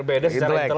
berbeda secara intelek